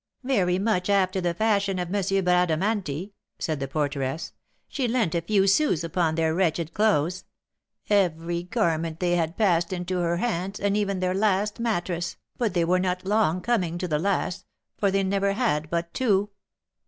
"Very much after the fashion of M. Bradamanti," said the porteress; "she lent a few sous upon their wretched clothes; every garment they had has passed into her hands, and even their last mattress; but they were not long coming to the last, for they never had but two."